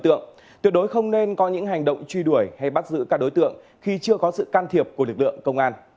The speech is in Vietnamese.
tuyệt đối không nên có những hành động truy đuổi hay bắt giữ các đối tượng khi chưa có sự can thiệp của lực lượng công an